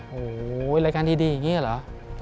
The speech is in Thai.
โอ้โหรายการดีอย่างนี้เหรอ